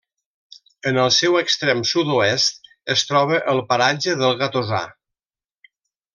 En el seu extrem sud-oest es troba el paratge del Gatosar.